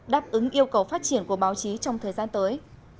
đáp ứng yêu cầu phát triển của báo chí trong thời gian tới